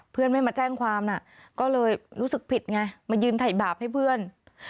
เพื่อนไม่มาแจ้งความน่ะก็เลยรู้สึกผิดไงมายืนถ่ายบาปให้เพื่อน